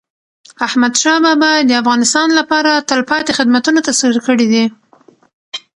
احمدشاه بابا د افغانستان لپاره تلپاتي خدمتونه ترسره کړي دي.